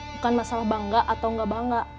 bukan masalah bangga atau nggak bangga